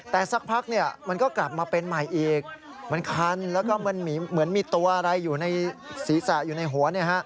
แต่สักพักมันก็กลับมาเป็นใหม่อีกมันคันแล้วก็เหมือนมีตัวอะไรอยู่ในศีรษะอยู่ในหัว